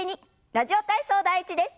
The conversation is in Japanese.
「ラジオ体操第１」です。